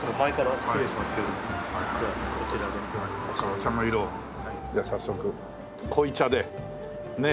じゃあ早速濃茶でねっ。